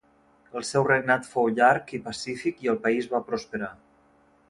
El seu regnat fou llarg i pacífic i el país va prosperar.